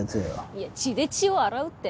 いや「血で血を洗う」って。